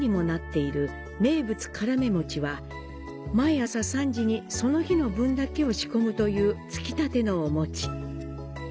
毎朝３時にその日の分だけを仕込むという、つきたてのお餅。